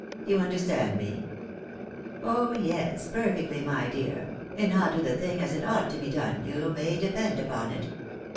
You understand me ?"" Oh, yes, perfectly, my dear ; and I'll do the thing as it ought to be done, you may depend upon it.